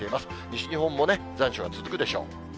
西日本もね、残暑が続くでしょう。